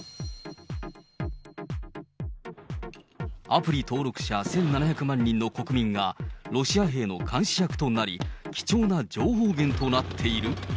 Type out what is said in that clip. アプリ登録者１７００万人の国民がロシア兵の監視役となり、貴重な情報源となっている？